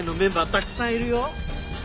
たくさんいるよ。